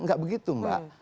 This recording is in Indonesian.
tidak begitu mbak